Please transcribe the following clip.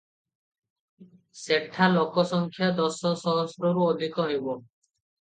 ସେଠା ଲୋକସଂଖ୍ୟା ଦଶ ସହସ୍ରରୁ ଅଧିକ ହେବ ।